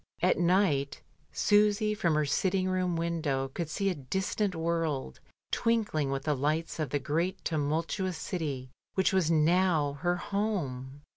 At night Susy from her sitting room window could see a distant world, twinkling with the lights of the great tumultuous city which was now her home.